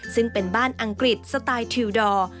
ซึ่งเป็นบ้านอังกฤษสไตล์ทิวดอร์